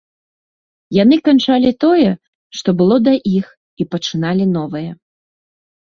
Яны канчалі тое, што было да іх, і пачыналі новае.